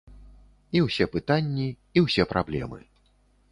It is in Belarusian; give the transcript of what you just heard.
І ўсе пытанні, і ўсе праблемы.